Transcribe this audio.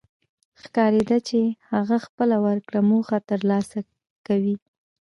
ښکارېده چې هغه خپله ورکړه موخه تر لاسه کوي.